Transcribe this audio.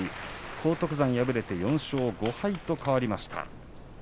荒篤山、敗れて４勝５敗と変わりました。